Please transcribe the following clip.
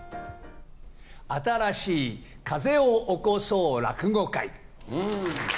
新しい風を起こそう落語界。